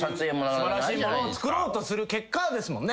素晴らしいものを作ろうとする結果ですもんね！